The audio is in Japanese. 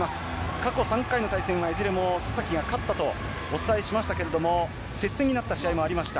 過去３回の対戦はいずれもさっきは勝ったとお伝えしましたが接戦になった試合もありました。